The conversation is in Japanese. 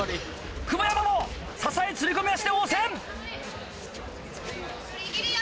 久保山も支釣込足で応戦！